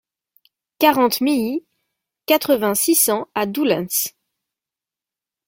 quarante milly, quatre-vingts, six cents à Doullens